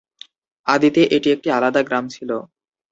আদিতে এটি একটি আলাদা গ্রাম ছিল।